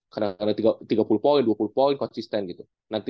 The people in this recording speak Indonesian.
karena ada tiga puluh poin dua puluh poin konsisten gitu